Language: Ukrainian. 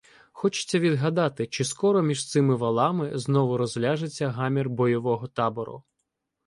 Хочеться відгадати, чи скоро між цими валами знову розляжеться гамір бойового табору.